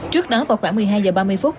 trước đó vào khoảng một mươi hai h ba mươi phút